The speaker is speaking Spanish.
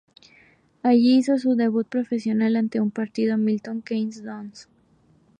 Allí hizo su debut profesional en un partido ante el Milton Keynes Dons.